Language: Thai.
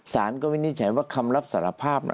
สารก็วินิจฉัยว่าคำรับสารภาพ